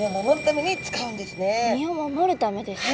身を守るためですか？